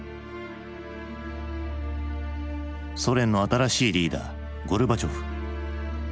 ソ連の新しいリーダーゴルバチョフ。